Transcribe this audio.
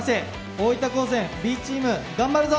大分高専Ｂチーム頑張るぞ！